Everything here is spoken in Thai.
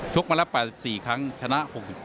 มาแล้ว๘๔ครั้งชนะ๖๗